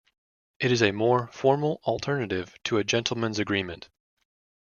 It is a more formal alternative to a gentlemen's agreement.